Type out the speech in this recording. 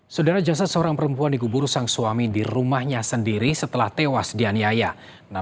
saudara jasad seorang perempuan digubur sang suami di rumahnya sendiri setelah tewas dianiaya